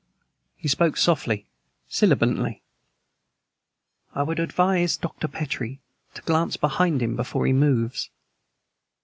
He spoke softly, sibilantly. "I would advise Dr. Petrie to glance behind him before he moves."